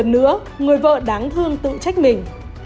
người vợ đáng thương tự trách mình